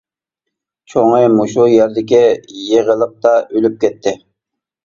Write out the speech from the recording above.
چوڭى مۇشۇ يەردىكى يېغىلىقتا ئۆلۈپ كەتتى.